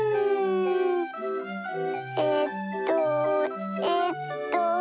えっとえっと。